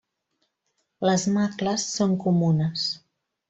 Les macles són comunes.